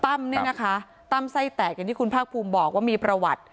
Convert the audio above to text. เนี่ยนะคะตั้มไส้แตกอย่างที่คุณภาคภูมิบอกว่ามีประวัติ